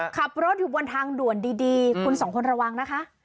ขับรถอยู่บนทางด่วนดีคุณสองคนระวังนะคะ